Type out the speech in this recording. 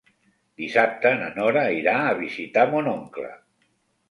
Dissabte na Nora irà a visitar mon oncle.